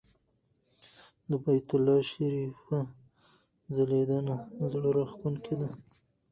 د بیت الله شریفه ځلېدنه زړه راښکونکې ده.